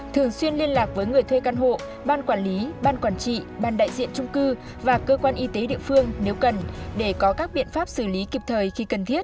thường xuyên liên lạc với người thuê căn hộ ban quản lý ban quản trị ban đại diện trung cư và cơ quan y tế địa phương nếu cần để có các biện pháp xử lý kịp thời khi cần thiết